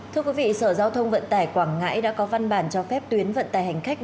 thưa quý vị sở giao thông vận tải quảng ngãi đã có văn bản cho phép tuyến vận tải hành khách